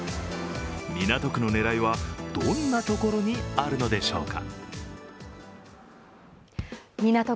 港区の狙いは、どんなところにあるのでしょうか。